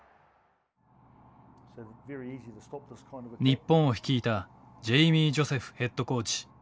日本を率いたジェイミー・ジョセフヘッドコーチ。